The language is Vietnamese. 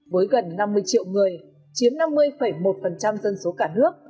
với gần năm mươi triệu người chiếm năm mươi một dân số cả nước